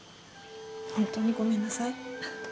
本当にごめんなさい。